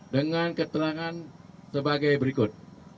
dengan keterangan sebagai berikut